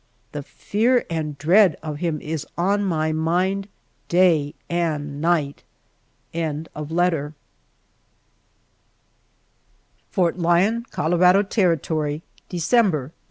The fear and dread of him is on my mind day and night. FORT LYON, COLORADO TERRITORY, December, 1873.